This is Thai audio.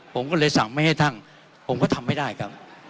ผมก็เลยสั่งไม่ให้ท่านผมก็ทำไม่ได้ครับ